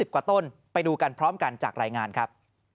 กว่าต้นไปดูกันพร้อมกันจากรายงานครับ